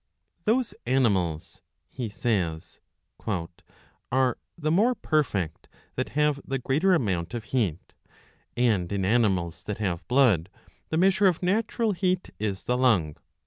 ''" Those animals," he says, " are the more perfect that have the greatetj amount of heat ; and in animals that have blood the measure of natural] heat is the lung.